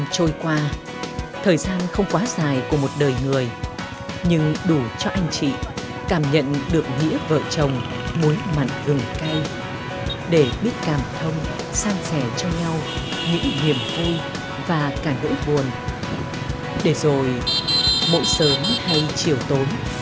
chia sẻ cho nhau những niềm vui và cả những nỗi buồn để rồi mỗi sớm hay chiều tối